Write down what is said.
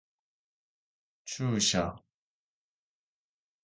注射